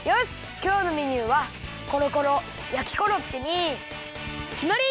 きょうのメニューはコロコロやきコロッケにきまり！